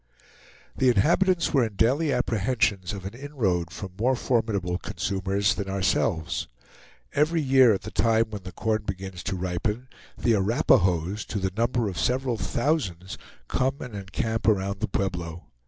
The inhabitants were in daily apprehensions of an inroad from more formidable consumers than ourselves. Every year at the time when the corn begins to ripen, the Arapahoes, to the number of several thousands, come and encamp around the Pueblo.